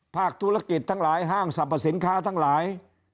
ภาคธุรกิจทั้งหลายห้างสรรพสินค้าทั้งหลาย